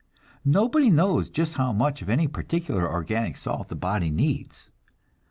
Nobody knows just how much of any particular organic salt the body needs.